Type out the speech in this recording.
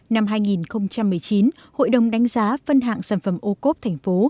năm hai nghìn một mươi chín hội đồng đánh giá phân hạng sản phẩm ocob thành phố